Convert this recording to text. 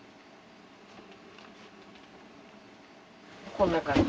こんな感じ。